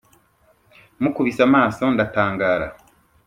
mukubise amaso ndatangara